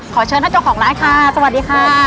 เชิญท่านเจ้าของร้านค่ะสวัสดีค่ะ